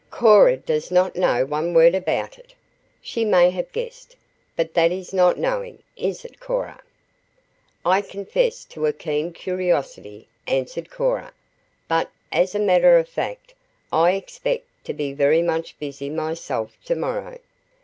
Cora does not know one word about it. She may have guessed, but that is not knowing, is it, Cora?" "I confess to a keen curiosity," answered Cora, "but as a matter of fact I expect to be very much busy myself to morrow.